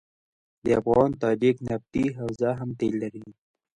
د افغان تاجک نفتي حوزه هم تیل لري.